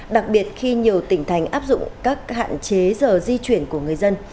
đặc biệt khi nhiều tỉnh thành áp dụng các hạn chế giờ di chuyển của người dân